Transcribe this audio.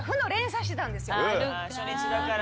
初日だから。